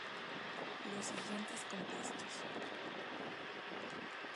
Los siguientes compuestos